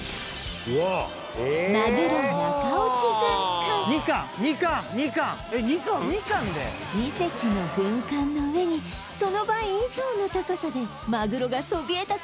マグロ中落ち軍艦２隻の軍艦の上にその倍以上の高さでマグロがそびえ立つ